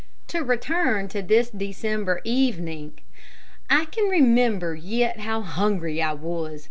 To return to this December evening. I can remember yet how hungry I was.